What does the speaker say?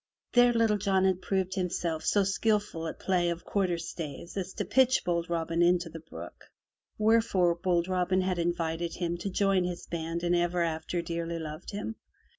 There Little John had proved himself so skillful at play of quarter staves as to pitch bold Robin into the brook, wherefore bold Robin had invited him to join his band and ever after dearly loved him.